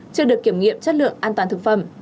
chưa được kiểm nghiệm chất lượng an toàn thực phẩm